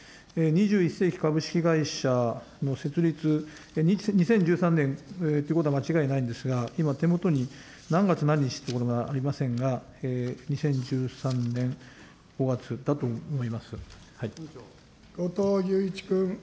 ２１世紀株式会社の設立、２０１３年ということは間違いないんですが、今、手元に何月何日っていうのがありませんが、後藤祐一君。